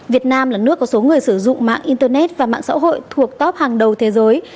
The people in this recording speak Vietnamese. việt nam là nước có số người sử dụng mạng internet và mạng xã hội thuộc top hàng đầu thế giới